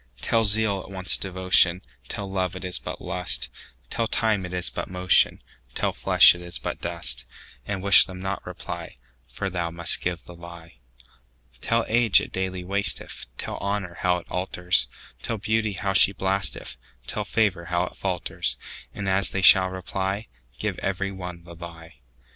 Tell zeal it wants devotion; Tell love it is but lust; Tell time it is but motion; Tell flesh it is but dust:And wish them not reply, For thou must give the lie. Tell age it daily wasteth; Tell honour how it alters; Tell beauty how she blasteth; Tell favour how it falters:And as they shall reply, Give every one the lie.